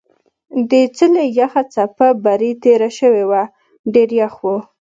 د څېلې یخه څپه برې تېره شوې وه ډېر یخ و.